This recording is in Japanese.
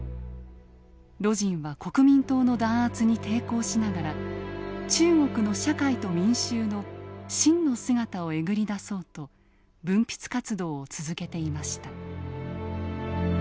魯迅は国民党の弾圧に抵抗しながら中国の社会と民衆の真の姿をえぐり出そうと文筆活動を続けていました。